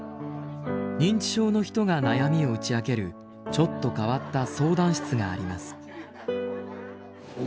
認知症の人が悩みを打ち明けるちょっと変わった相談室があります。